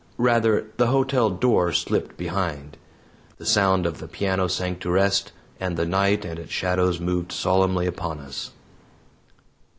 Rather the hotel door slipped behind, the sound of the piano sank to rest, and the night and its shadows moved solemnly upon us.